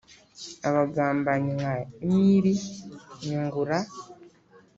abagambanyi nka emili nyungura